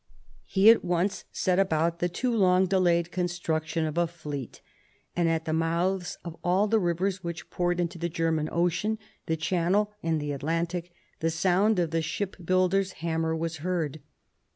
He at once set about the too long delayed construction of a fleet : and at the mouths of all the rivers which poured into the German Ocean, the Channel, and the Atlantic, the sound of the shipbuilder's hammer was heard.